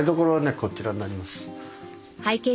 こちらになります。